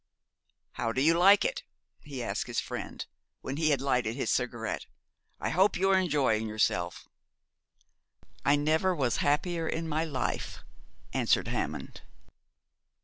'How do you like it?' he asked his friend, when he had lighted his cigarette. 'I hope you are enjoying yourself.' 'I never was happier in my life,' answered Hammond.